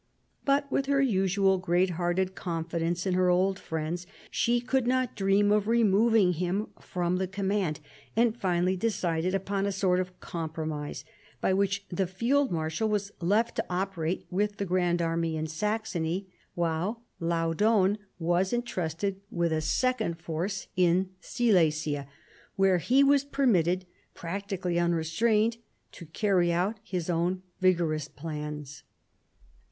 But, with her usual great hearted confidence in her old friends, she could not dream of removing him from the command, and finally decided upon a sort of compromise by which the field marshal was left to operate with the grand army in Saxony, while Laudon was entrusted with a second force in 1760 63 THE SEVEN YEAKS' WAR 167 Silesia, where he was permitted, practically unre strained, to carry out his own vigorous plans.